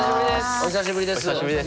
お久しぶりです。